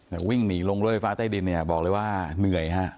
แต่วิ่งหนีลงรถไฟฟ้าใต้ดินเนี่ยบอกเลยว่าเหนื่อยฮะ